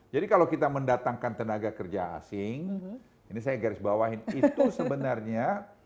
jadi kalau kita mendatangkan tenaga kerja asing ini saya garis bawahin itu sebenarnya